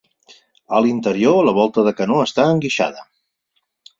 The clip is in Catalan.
A l'interior la volta de canó està enguixada.